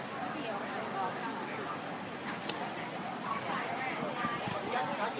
ใช่สามนะครับ